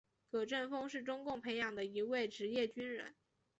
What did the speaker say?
葛振峰是中共培养的一位职业军人。